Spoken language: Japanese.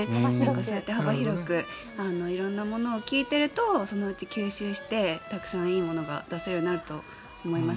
そうやって幅広く色んなものを聴いているとそのうち吸収してたくさんいいものが出せるようになると思います。